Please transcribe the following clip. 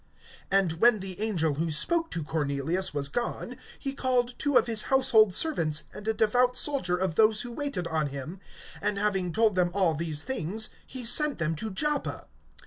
(7)And when the angel who spoke to Cornelius was gone, he called two of his household servants, and a devout soldier of those who waited on him; (8)and having told them all these things, he sent them to Joppa.